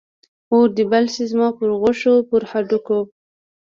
اور دې بل شي زما پر غوښو، پر هډوکو